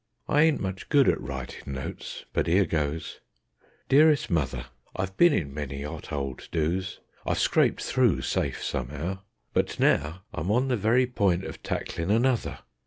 I ain't much good at writin' notes, but here goes: "Dearest Mother, I've been in many 'ot old 'do's'; I've scraped through safe some'ow, But now I'm on the very point of tacklin' another.